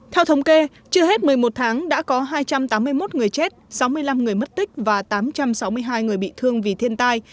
theo thống kê chưa hết một mươi một tháng đã có hai trăm tám mươi một người chết sáu mươi năm người mất tích và tám trăm sáu mươi hai người bị thương vì thiên tai